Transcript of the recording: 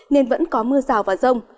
nên vẫn có mưa rào và rông